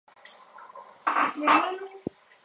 Varias especies rastreras, lianas, trepadoras.